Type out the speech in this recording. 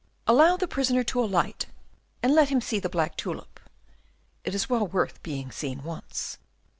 "Allow the prisoner to alight, and let him see the black tulip; it is well worth being seen once."